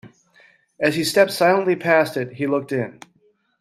As he stepped silently past it, he looked in.